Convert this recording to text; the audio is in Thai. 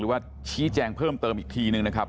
ว่าชี้แจงเพิ่มเติมอีกทีนึงนะครับ